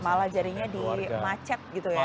malah jadinya dimacet gitu ya